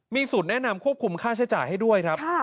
มีศูนย์แนะนำควบคุมค่าใช้จ่ายให้ด้วยครับ